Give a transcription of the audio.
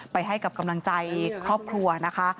ไปให้กับกำลังใจครอบครัวนะคะ